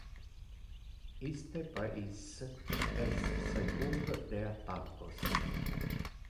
Iste pais es secur de attaccos.